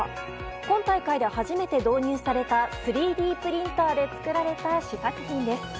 今大会で初めて導入された３Ｄプリンターで作られた試作品です。